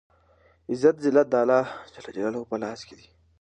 عزت ذلت دالله په لاس کې دی